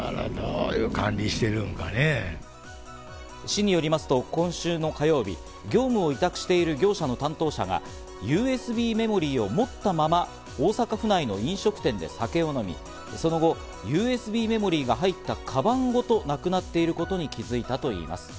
市によりますと今週の火曜日、業務を委託している業者の担当者がＵＳＢメモリーを持ったまま大阪府内の飲食店で酒を飲み、その後、ＵＳＢメモリーが入ったかばんごとなくなっていることに気づいたといいます。